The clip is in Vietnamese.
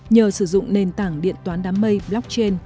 nhờ sử dụng nền tảng điện toán đám mây blockchain